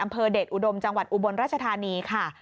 อำเภอเดชอุดมจังหวัดอุบลราชธานีค่ะ